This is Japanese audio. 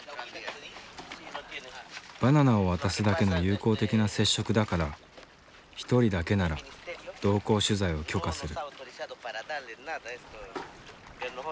バナナを渡すだけの友好的な接触だから１人だけなら同行取材を許可する。